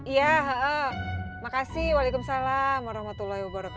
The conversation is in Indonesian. iya ha ah makasih waalaikumsalam warahmatullahi wabarakatuh